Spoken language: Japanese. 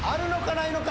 ないのか？